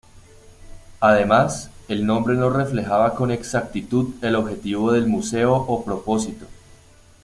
Además, el nombre no reflejaba con exactitud el objetivo del museo o propósito.